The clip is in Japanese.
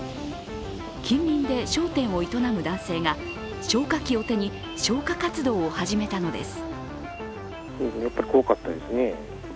近隣で、商店を営む男性が消火器を手に、消火活動を始めたのです。